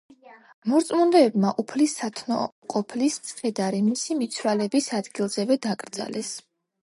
მორწმუნეებმა უფლის სათნომყოფლის ცხედარი მისი მიცვალების ადგილზევე დაკრძალეს.